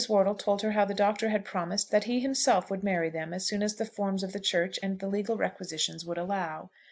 Wortle told her how the Doctor had promised that he himself would marry them as soon as the forms of the Church and the legal requisitions would allow.